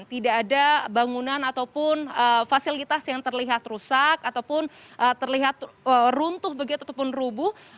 tidak ada bangunan ataupun fasilitas yang terlihat rusak ataupun terlihat runtuh begitu ataupun rubuh